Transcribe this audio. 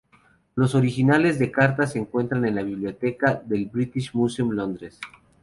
Los originales de estas cartas se encuentran en la biblioteca del British Museum, Londres.